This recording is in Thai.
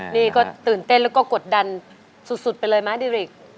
นี่ก็ตื่นเต้นแล้วก็กดดันสุดไปเลยม้าดิริก